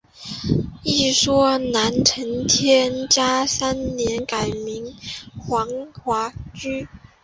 一说南陈天嘉三年改名金华郡。